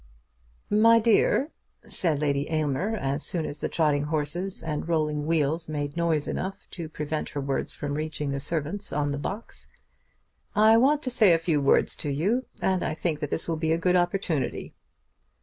"My dear," said Lady Aylmer, as soon as the trotting horses and rolling wheels made noise enough to prevent her words from reaching the servants on the box, "I want to say a few words to you; and I think that this will be a good opportunity."